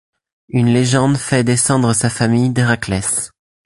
Une légende fait descendre sa famille d'Héraclès.